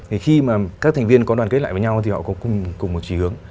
thì khi mà các thành viên có đoàn kết lại với nhau thì họ có cùng một trí hướng